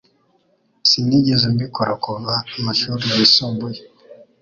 Sinigeze mbikora kuva amashuri yisumbuye.